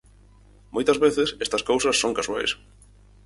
Moitas veces estas cousas son casuais.